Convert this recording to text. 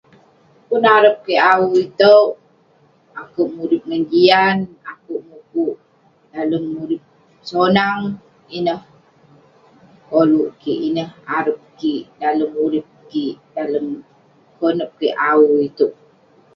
Pun arep kik awu itouk, akouk murip ngan jian, akouk mukuk dalem urip sonang. Ineh koluk kik, ineh arep kik dalem urip kik, dalem konep kik awu itouk.